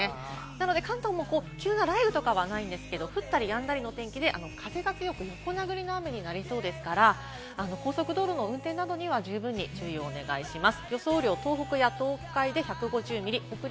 なので関東も急な雷雨とかはないですけれども、降ったりやんだりの天気で風が強く横殴りの雨になりそうですから、高速道路の運転などには十分に注意をお願いします。